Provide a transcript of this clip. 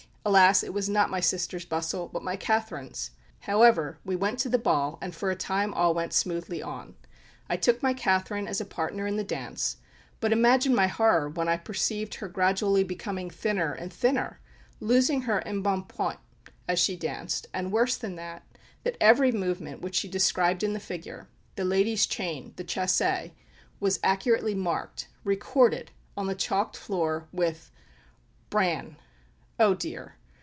Alas, it was not my sister's bustle, but my Catherine's! However, we went to the ball, and for a time all went smoothly on. I took out my Catherine as a partner in the dance; but imagine my horror when I perceived her gradually becoming thinner and thinner losing her enbonpoint as she danced; and, worse than that, that every movement which she described in the figure the ladies' chain, the chassee was accurately marked recorded on the chalked floor with bran! Oh dear!